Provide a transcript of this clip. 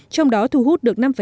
trong đó thu hút được